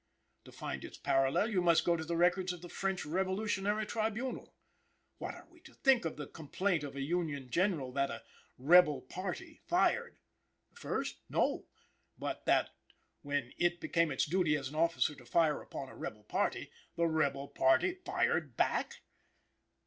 To find its parallel you must go to the records of the French Revolutionary Tribunal. What are we to think of the complaint of a Union General, that "a rebel party" fired (first? No! but that when "it became his duty as an officer to fire upon a rebel party" the rebel party fired) back?